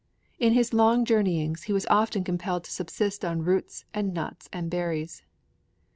In his long journeyings he was often compelled to subsist on roots and nuts and berries.